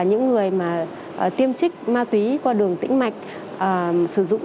những người mà tiêm trích ma túy qua đường tĩnh mạch sử dụng